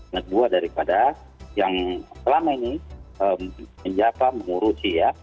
kedua daripada yang selama ini menjaga mengurusi ya